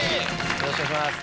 よろしくお願いします。